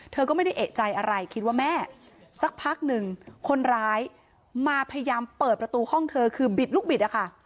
เธอก็ไม่ได้เอกใจอะไรคิดว่าแม่สักพักหนึ่งคนร้ายมาพยายามเปิดประตูห้องเธอคือบิดลูกบิดอะค่ะ